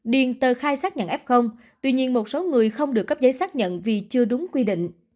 điền tờ khai xác nhận f tuy nhiên một số người không được cấp giấy xác nhận vì chưa đúng quy định